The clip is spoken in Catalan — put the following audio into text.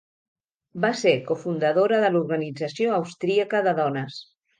Va ser cofundadora de l'Organització Austríaca de Dones.